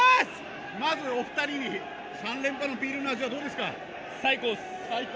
まずお２人に３連覇のビールの味はどうですか。